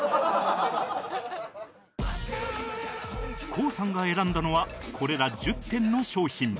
ＫＯＯ さんが選んだのはこれら１０点の商品